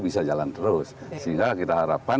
bisa jalan terus sehingga kita harapkan